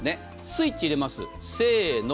スイッチを入れます。